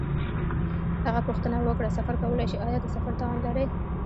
هغه پوښتنه وکړه: سفر کولای شې؟ آیا د سفر توان لرې؟